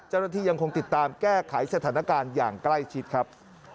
ยังคงติดตามแก้ไขสถานการณ์อย่างใกล้ชิดครับ